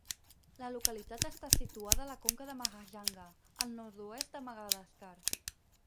La localitat està situada a la conca de Mahajanga, al nord-oest de Madagascar.